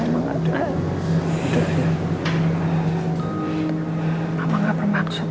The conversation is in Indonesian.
mama gak bermaksud